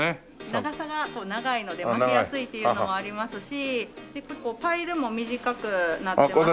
長さが長いので巻きやすいというのもありますし結構パイルも短くなってますので。